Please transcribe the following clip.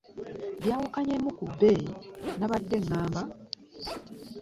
Byawukanyemu ku bye nabadde ŋŋamba.